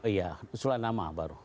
iya usulan nama baru